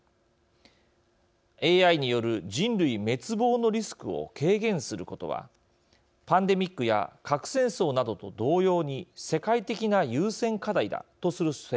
ＡＩによる人類滅亡のリスクを軽減することはパンデミックや核戦争などと同様に世界的な優先課題だとする声明です。